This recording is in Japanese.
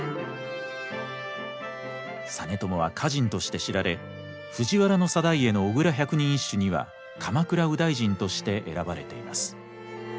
実朝は歌人として知られ藤原定家の「小倉百人一首」には鎌倉右大臣として選ばれています。